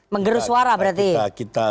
menggerus suara berarti